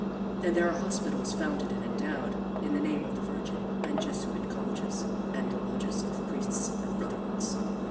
And there are hospitals founded and endowed in the name of the Virgin, and Jesuit colleges, and the lodges of priests and brotherhoods.